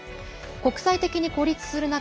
国際的に孤立する中